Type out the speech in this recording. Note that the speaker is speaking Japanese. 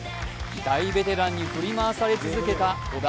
大ベテランに振り回され続けた小田。